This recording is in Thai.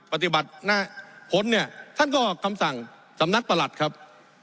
ปฏิบัติหน้าผลเนี่ยท่านก็คำสั่งสำนักประหลัดครับ